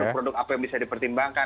produk apa yang bisa dipertimbangkan